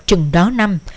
trừng đó năm